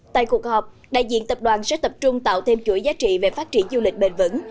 tại cuộc họp đại diện tập đoàn sẽ tập trung tạo thêm chuỗi giá trị về phát triển du lịch bền vững